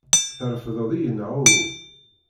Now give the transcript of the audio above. Trefdeḍ-iyi neɣ uhu?